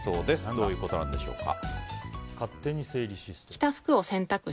どういうことなのでしょうか。